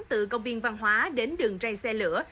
từ công viên văn hóa đến đường rây xe lửa